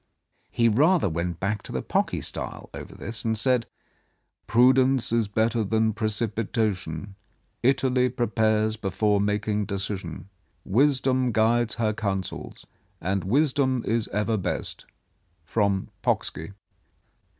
He rather went back to the Pocky style over this, and said :" Prudence is better than precipitation; Italy prepares before making decision. Wisdom guides her counsels, and wisdom is ever best. From Pocksky."